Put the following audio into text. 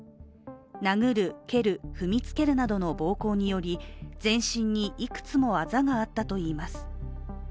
殴る、蹴る、踏みつけるなどの暴行により全身にいくつもあざがあったといいます。